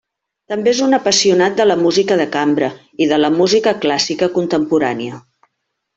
També és un apassionat de la música de cambra i de la música clàssica contemporània.